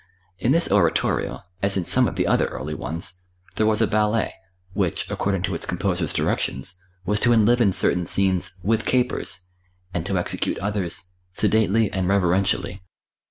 In this oratorio, as in some of the other early ones, there was a ballet, which, according to its composer's directions, was to enliven certain scenes "with capers" and to execute others "sedately and reverentially."